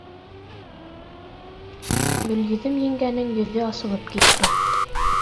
Гөлйөҙөм еңгәнең йөҙө асылып китте.